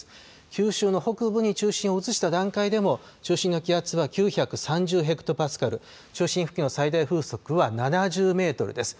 九州の北部に中心を移した段階でも中心の気圧は９３０ヘクトパスカル、中心付近の最大風速は７０メートルです。